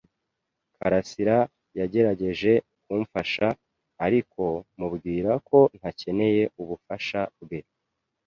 karasira yagerageje kumfasha, ariko mubwira ko ntakeneye ubufasha bwe.